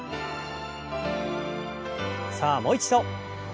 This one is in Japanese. さあもう一度。